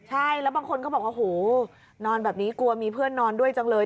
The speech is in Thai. ใช่แล้วบางคนก็บอกว่าโหนอนแบบนี้กลัวมีเพื่อนนอนด้วยจังเลย